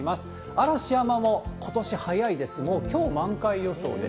嵐山もことし早いです、もうきょう満開予想で。